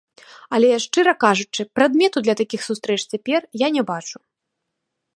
Але, шчыра кажучы, прадмету для такіх сустрэч цяпер я не бачу.